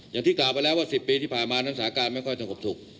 อย่างที่กล่าวไปแล้วว่า๑๐ปีที่ผ่านมานั้นสถานการณ์ไม่ค่อยสงบสุข